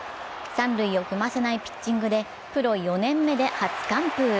三塁を踏ませないピッチングでプロ４年目で初完封。